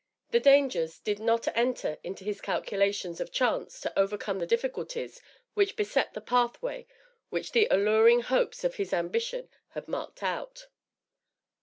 The dangers did not enter into his calculations of chance to overcome the difficulties which beset the pathway which the alluring hopes of his ambition had marked out.